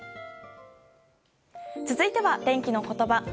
続いては天気のことば。